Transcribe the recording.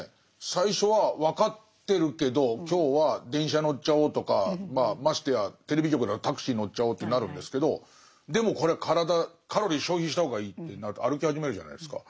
最初は分かってるけど今日は電車乗っちゃおうとかましてやテレビ局だとタクシー乗っちゃおうってなるんですけどでもこれは体カロリー消費した方がいいってなると歩き始めるじゃないですか。